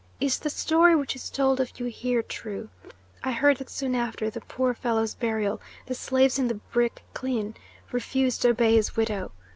Is the story which is told of you here true? I heard that soon after the poor fellow's burial the slaves in the brick kiln refused to obey his widow.